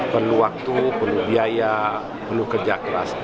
perlu waktu perlu biaya perlu kerja keras